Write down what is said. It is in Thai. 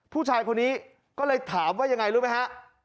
ผู้ชายคนนี้ก็เลยถามว่ายังไงรู้ไหมฮะ